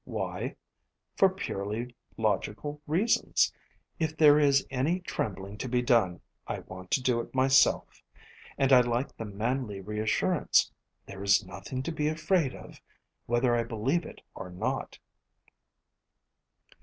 Why? For purely logical reasons. If there is any trem bling to be done, I want to do it myself. And I like the manly reassurance, " There is nothing to be afraid of," whether I believe it or not.